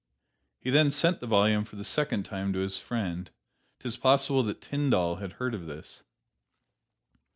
He then sent the volume for the second time to his friend. 'T is possible that Tyndall had heard of this.